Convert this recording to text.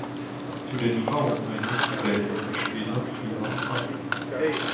Zu den Frauen-Einern gesellten sich später Vierer und Achter.